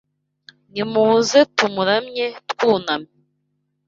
Nimuze tumuramye twunamye